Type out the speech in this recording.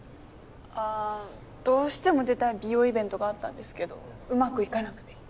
あぁどうしても出たい美容イベントがあったんですけどうまくいかなくて。